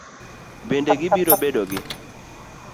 Bende gibiro bedo gi